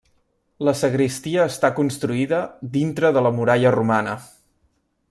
La sagristia està construïda dintre de la muralla romana.